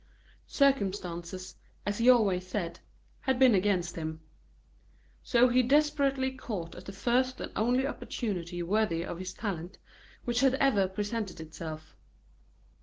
Circumstances, as he always said, had been against him. So he desperately caught at the first and only opportunity worthy of his talent, which had ever presented itself.